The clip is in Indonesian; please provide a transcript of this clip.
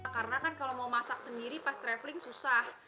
karena kan kalau mau masak sendiri pas traveling susah